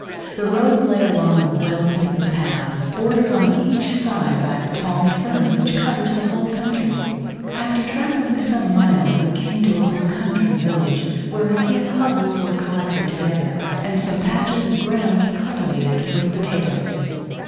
The road lay along a well beaten path, bordered on each side by the tall fern, which covers the whole country. After travelling some miles, we came to a little country village, where a few hovels were collected together, and some patches of ground cultivated with potatoes.